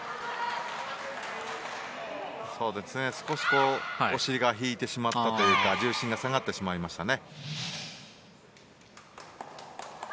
少しお尻が引いてしまったというか重心が下がってしまいましたね。